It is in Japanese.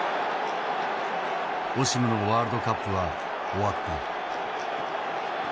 オシムのワールドカップは終わった。